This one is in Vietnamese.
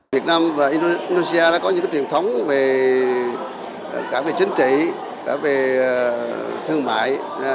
việt nam và indonesia đã có những truyền thống về cả về chính trị cả về thương mại